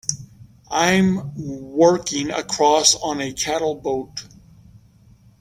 I'm working across on a cattle boat.